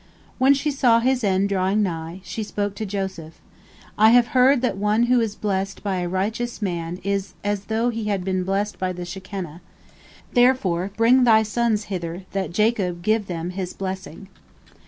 When she saw his end drawing nigh, she spoke to Joseph: "I have heard that one who is blessed by a righteous man is as though he had been blessed by the Shekinah. Therefore, bring thy sons hither, that Jacob give them his blessing."